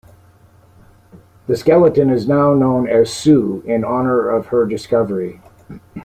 This skeleton is now known as "Sue" in honor of her discovery.